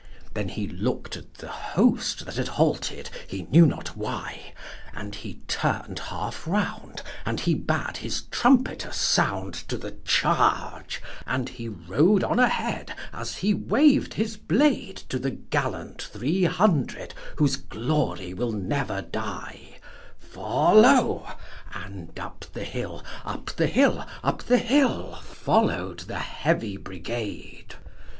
Then he look'd at the host that had halted he knew not why, And he turn'd half round, and he bad his trumpeter sound To the charge, and he rode on ahead, as he waved his blade To the gallant three hundred whose glory will never die — 'Follow,' and up the hill, up the hill, up the hill, Follow'd the Heavy Brigade.